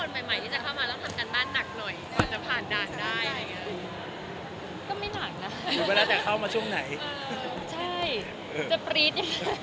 ใช่จะปรี๊ดยังไงเลย